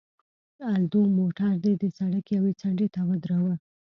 الدو، موټر دې د سړک یوې څنډې ته ودروه.